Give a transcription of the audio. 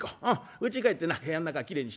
うちへ帰ってな部屋ん中きれいにして待っときな」。